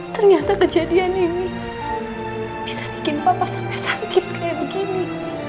ternyata kejadian ini bisa bikin papa sampai sakit kayak begini